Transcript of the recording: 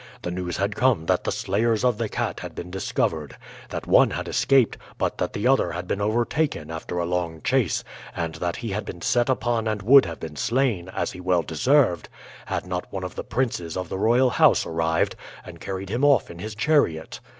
The news had come that the slayers of the cat had been discovered; that one had escaped, but that the other had been overtaken after a long chase; and that he had been set upon and would have been slain, as he well deserved, had not one of the princes of the royal house arrived and carried him off in his chariot.